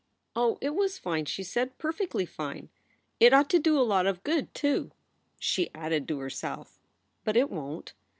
"Oh, it was fine," she said, "perfectly fine. It ought to do a lot of good, too." She added to herself, "But it won t."